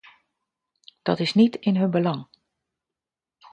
Dat is niet in hun belang.